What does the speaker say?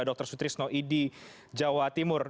dr sutrisno idi jawa timur